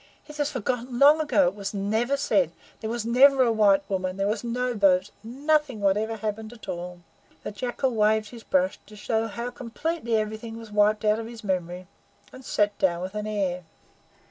"It is forgotten long ago! It was never said! There never was a white woman! There was no boat! Nothing whatever happened at all." The Jackal waved his brush to show how completely everything was wiped out of his memory, and sat down with an air.